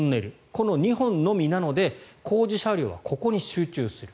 この２本のみなので工事車両はここに集中する。